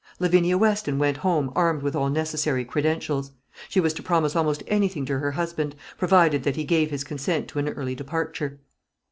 Lavinia Weston went home armed with all necessary credentials. She was to promise almost anything to her husband, provided that he gave his consent to an early departure.